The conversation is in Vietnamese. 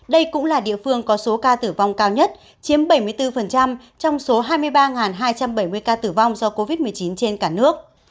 đây cũng là địa phương có số ca tử vong cao nhất chiếm bảy mươi bốn trong số hai mươi ba hai trăm bảy mươi ca tử vong do covid một mươi chín trên cả nước